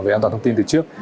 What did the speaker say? về an toàn thông tin từ trước